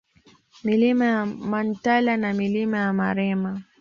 Milima ya Mantala na Milima ya Marema